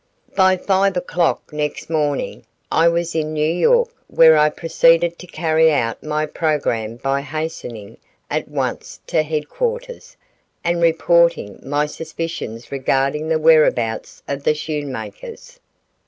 By five o'clock next morning I was in New York where I proceeded to carry out my programme by hastening at once to headquarters and reporting my suspicions regarding the whereabouts of the Schoenmakers.